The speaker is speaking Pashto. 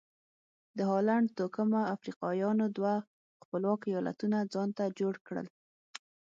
د هالنډ توکمه افریقایانو دوه خپلواک ایالتونه ځانته جوړ کړل.